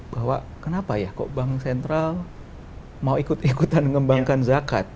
bahwa kenapa ya kok bank sentral mau ikut ikutan ngembangkan zakat